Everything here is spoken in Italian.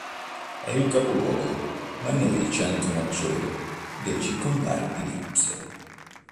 È il capoluogo, ma non il centro maggiore, del circondario di Lipsia.